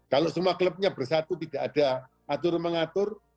kalau semua klubnya bersatu tidak ada atur mengatur